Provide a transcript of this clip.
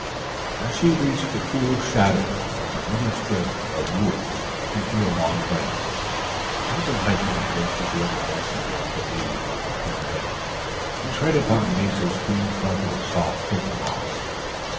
As she reached the cool shadows of the little strip of woods she drew a long breath. How delightful it was to hear the rustle of the leaves over her head, and tread upon Nature's green carpet of soft, thick moss.